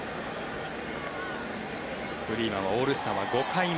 フリーマンはオールスターは５回目。